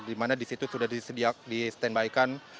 dimana disitu sudah disediakan